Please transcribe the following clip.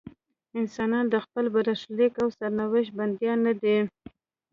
انسانان د خپل برخلیک او سرنوشت بندیان نه دي.